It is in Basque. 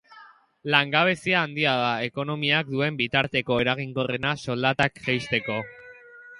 Langabezia handia da ekonomiak duen bitarteko eraginkorrena soldatak jaisteko.